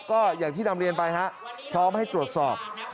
ก็อย่างที่นำเรียนไปฮะพร้อมให้ตรวจสอบ